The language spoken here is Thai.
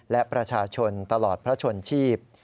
และประชาชนตลอดพระชนชีพ